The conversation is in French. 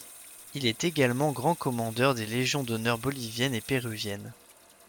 Il est également grand commandeur des Légions d'honneur bolivienne et péruvienne.